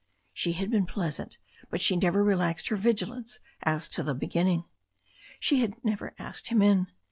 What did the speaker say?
She had been pleasant, but she never relaxed her vigilance as to the beginning. She had never asked him in.